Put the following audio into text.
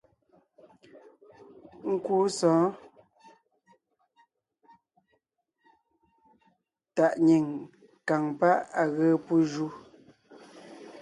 Nkúu sɔ̌ɔn tàʼ nyìŋ kàŋ páʼ à ge pú ju.